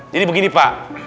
jadi begini pak